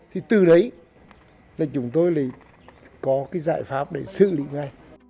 thì từ đấy là chúng tôi lại có cái giải pháp để xử lý ngay